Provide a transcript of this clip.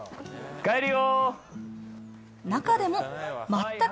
帰るよ！